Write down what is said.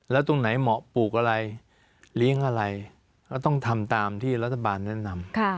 แล้วตรงไหนเหมาะปลูกอะไรเลี้ยงอะไรก็ต้องทำตามที่รัฐบาลแนะนำ